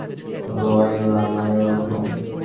লায়লা, ওঠো।